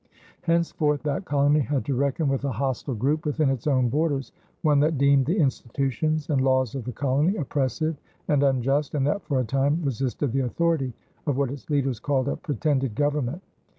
Henceforth, that colony had to reckon with a hostile group within its own borders, one that deemed the institutions and laws of the colony oppressive and unjust, and that for a time resisted the authority of what its leaders called a "pretended" government.